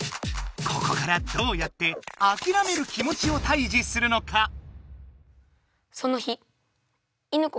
ここからどうやってあきらめる気持ちを退治するのか⁉犬子。